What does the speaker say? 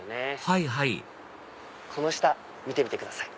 はいはいこの下見てみてください。